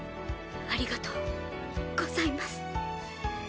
ありがとうございます。